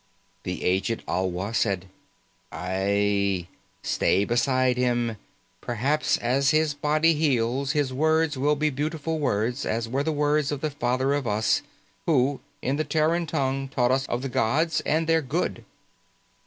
The aged Alwa said, "Aie. Stay beside him. Perhaps as his body heals, his words will be beautiful words as were the words of the Father of Us who, in the Terran tongue, taught us of the gods and their good."